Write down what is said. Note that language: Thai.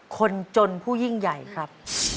คนจนผู้ยิ่งใหญ่ครับ